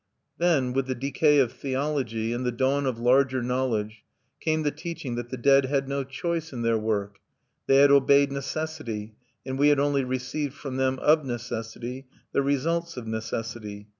Then, with the decay of theology and the dawn of larger knowledge, came the teaching that the dead had no choice in their work, they had obeyed necessity, and we had only received from them of necessity the results of necessity.